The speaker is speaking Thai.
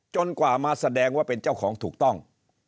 กว่ามาแสดงว่าเป็นเจ้าของถูกต้อง